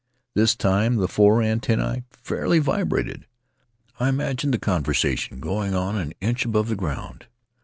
This time the four antennae fairly vibrated — I imagined the conversation going on an inch above the ground.